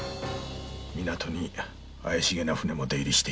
港に怪しげな船も出入りしているのだ